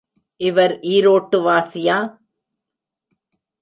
இவர் ஈரோட்டு வாசியா?